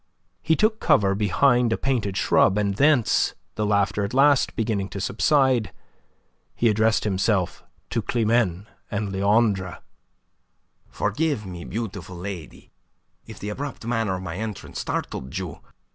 He took cover behind a painted shrub, and thence, the laughter at last beginning to subside, he addressed himself to Climene and Leandre. "Forgive me, beautiful lady, if the abrupt manner of my entrance startled you.